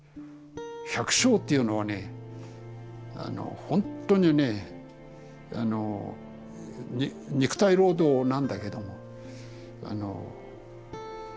百姓っていうのはねあのほんとにね肉体労働なんだけどもあのえ